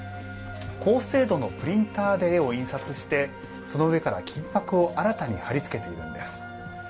高精度のプリンターで絵を印刷してその上から金箔を新たに貼り付けているんです。